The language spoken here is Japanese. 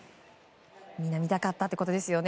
みんな見たかったってことですよね。